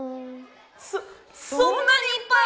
そそんなにいっぱいあるの？